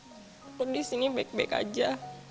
aku di sini baik baik aja